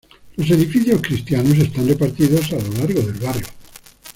Los edificios cristianos están repartidos a lo largo del barrio.